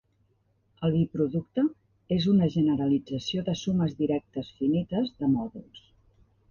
El biproducte és una generalització de sumes directes finites de mòduls.